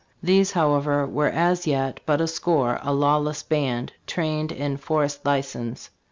These, however, were as yet but a score; a lawless band, trained in forest license."